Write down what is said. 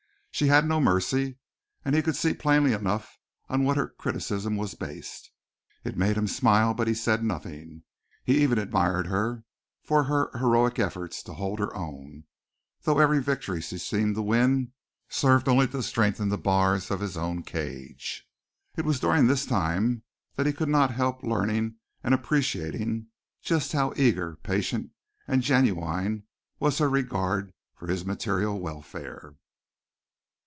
She had no mercy, and he could see plainly enough on what her criticism was based. It made him smile but he said nothing. He even admired her for her heroic efforts to hold her own, though every victory she seemed to win served only to strengthen the bars of his own cage. It was during this time that he could not help learning and appreciating just how eager, patient and genuine was her regard for his material welfare.